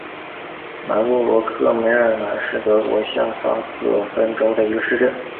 南布罗克梅尔兰是德国下萨克森州的一个市镇。